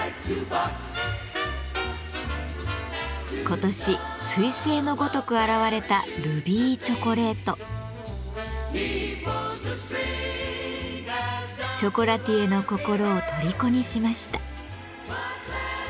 今年すい星のごとく現れたショコラティエの心をとりこにしました。